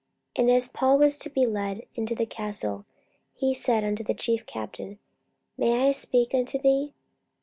44:021:037 And as Paul was to be led into the castle, he said unto the chief captain, May I speak unto thee?